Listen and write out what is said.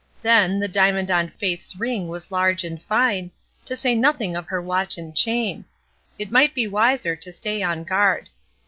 Then, the diamond on Faith's ring was large and fine, to say nothing of her watch and chain. It might be wiser to stay on guard.